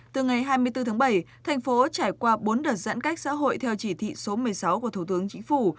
từ ngày hai mươi bốn tháng bảy thành phố trải qua bốn đợt giãn cách xã hội theo chỉ thị số một mươi sáu của thủ tướng chính phủ